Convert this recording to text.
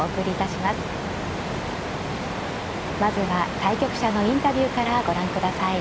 まずは対局者のインタビューからご覧ください。